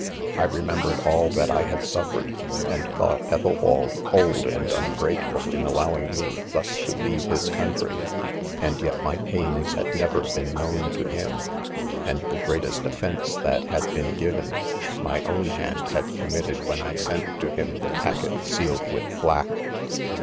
. i I remembered all that I had suffered/ and thought Ethelwald cold and ungrateful in al lowing me, thus to leave his country — and yet my pains had never been known to him, aisi ;fg0 XDttMEH. : the greatest offence that had been given, my •own hand had committed when I sent to him the packet sealed with black.